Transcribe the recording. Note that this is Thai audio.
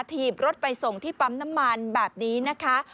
ถีบรถไปส่งที่ปั๊มน้ำมันแบบนี้นะคะ